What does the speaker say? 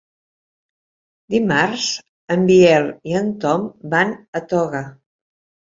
Dimarts en Biel i en Tom van a Toga.